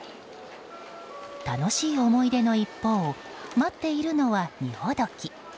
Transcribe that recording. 楽しい思い出の一方待っているのは荷解き。